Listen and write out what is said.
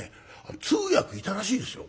通訳いたらしいですよ。